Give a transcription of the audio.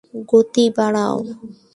গতি বাড়াও।